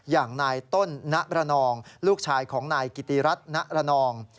อย่างนายต้นณรนองลูกชายของนายกิติรัฐณระนอง